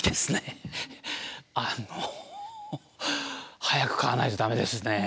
あの早く買わないと駄目ですね。